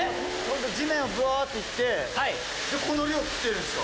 地面をブワって行ってでこの量来てるんですか？